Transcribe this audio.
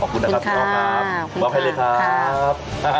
ขอบคุณนะครับพี่อ้อครับบอบให้เลยครับคุณครับ